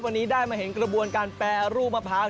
วันนี้ได้มาเห็นกระบวนการแปรรูปมะพร้าว